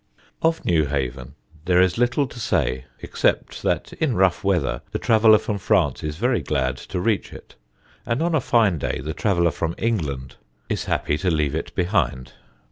Of Newhaven there is little to say, except that in rough weather the traveller from France is very glad to reach it, and on a fine day the traveller from England is happy to leave it behind.